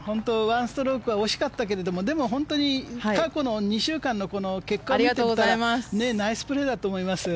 １ストロークは惜しかったけどでも本当に過去の２週間の結果を見ていてもナイスプレーだと思います。